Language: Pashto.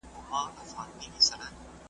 ترې چاپېر د لويي وني وه ښاخونه `